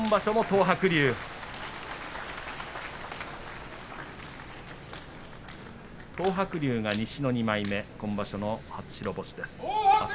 東白龍は西の２枚目今場所、初白星です。